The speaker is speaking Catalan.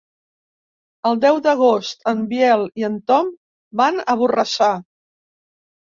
El deu d'agost en Biel i en Tom van a Borrassà.